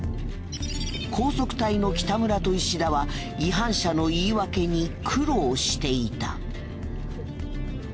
高速隊の北村と石田は違反者の言い訳に苦労していた。